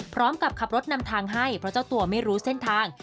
พร้อมกับขับรถนำทางให้เพราะเจ้าตัวไม่รู้เส้นทาง